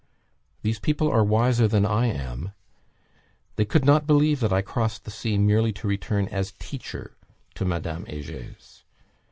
These people are wiser than I am. They could not believe that I crossed the sea merely to return as teacher to Madame Hegers.